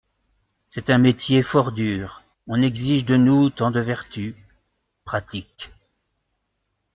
C’est un métier fort dur ; On exige de nous tant de vertus… pratiques !